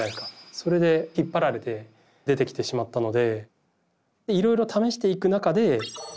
それで引っ張られて出てきてしまったので。